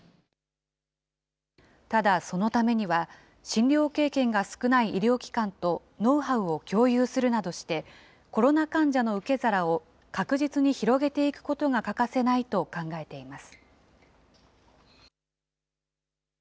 ただ、そのためには、診療経験が少ない医療機関とノウハウを共有するなどして、コロナ患者の受け皿を確実に広げていくことが欠かせないと考えています。